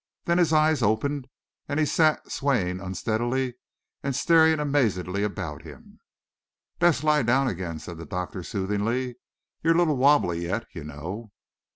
Then his eyes opened, and he sat swaying unsteadily and staring amazedly about him. "Best lie down again," said the doctor soothingly. "You're a little wobbly yet, you know."